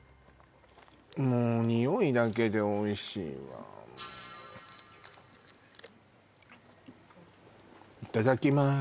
もう匂いだけでおいしいわいただきます